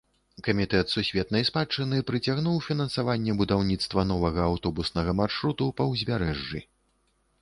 Камітэт сусветнай спадчыны прыцягнуў фінансаванне будаўніцтва новага аўтобуснага маршруту па ўзбярэжжы.